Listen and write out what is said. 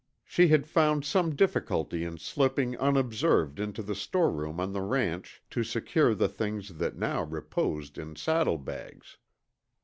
She had found some difficulty in slipping unobserved into the storeroom on the ranch to secure the things that now reposed in saddlebags.